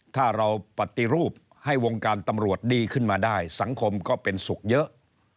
ถ้าเราปฏิรูปให้วงการตำรวจดีขึ้นมาได้สังคมก็เป็นสุขเยอะ